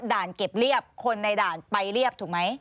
เก็บเรียบคนในด่านไปเรียบถูกไหม